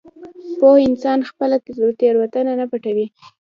پوه انسان خپله تېروتنه نه پټوي.